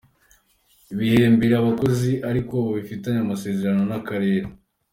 Bihembere abakozi ariko bafitane amasezerano n’akarere.